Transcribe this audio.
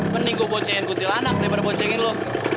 mending gue bocehin gue til anak daripada bocehin lo